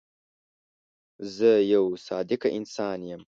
زه یو صادقه انسان یم.